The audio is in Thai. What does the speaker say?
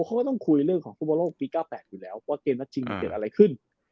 เขาก็ต้องคุยเรื่องของภูมิโลกปี๙๘อยู่แล้วว่าเกมจริงเกดอะไรขึ้น